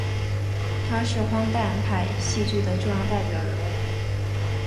他是荒诞派戏剧的重要代表人物。